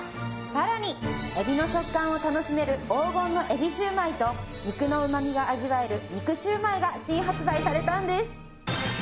さらに海老の食感を楽しめる「黄金の海老しゅうまい」と肉のうまみが味わえる「肉焼売」が新発売されたんです！